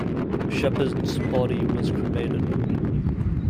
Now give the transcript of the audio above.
Shepard's body was cremated.